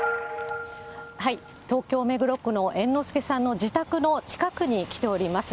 東京・目黒区の猿之助さんの自宅の近くに来ております。